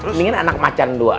mendingan anak macan dua